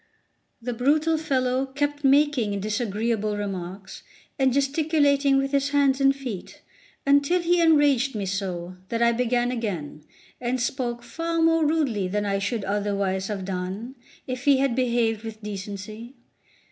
The brutal fellow kept making disagreeable remarks and gesticulating with his hands and feet, until he enraged me so that I began again, and spoke far more rudely than I should otherwise have done, if he had behaved with decency.